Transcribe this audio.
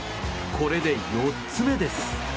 これで、４つ目です。